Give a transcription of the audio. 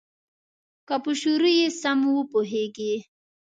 که په شروع یې سم وپوهیږې.